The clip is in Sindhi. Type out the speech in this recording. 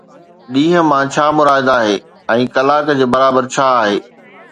ڏينهن مان ڇا مراد آهي ۽ ڪلاڪ جي برابر ڇا آهي؟